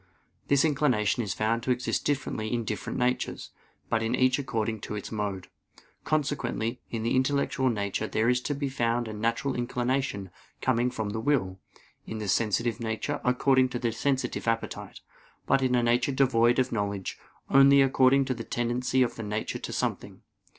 This inclination is found to exist differently in different natures; but in each according to its mode. Consequently, in the intellectual nature there is to be found a natural inclination coming from the will; in the sensitive nature, according to the sensitive appetite; but in a nature devoid of knowledge, only according to the tendency of the nature to something.